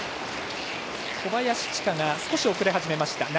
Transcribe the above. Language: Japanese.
小林千佳が少し遅れ始めました。